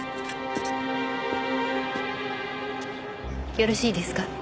よろしいですか？